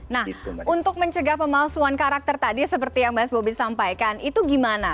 nah untuk mencegah pemalsuan karakter tadi seperti yang mas bobi sampaikan itu gimana